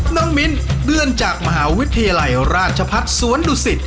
มิ้นเดินจากมหาวิทยาลัยราชพัฒน์สวนดุสิต